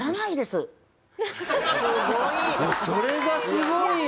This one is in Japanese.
それがすごいよ！